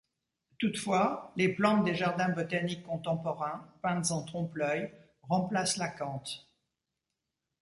Toutefois les plantes des jardins botaniques contemporains, peintes en trompe-l'œil, remplacent l'acanthe.